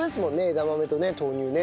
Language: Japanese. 枝豆とね豆乳ね。